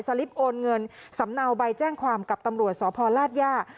ลิปโอนเงินสำเนาใบแจ้งความกับตำรวจสพลาดย่า